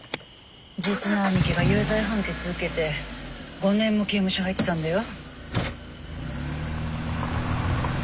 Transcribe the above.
実の兄貴が有罪判決受けて５年も刑務所入ってたんだよ。